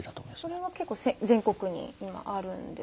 それは結構全国に今あるんですか。